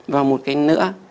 và một cái nữa